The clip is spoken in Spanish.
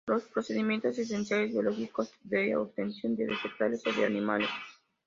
Los procedimientos esencialmente biológicos de obtención de vegetales o de animales.